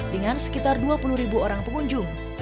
dengan sekitar dua puluh ribu orang pengunjung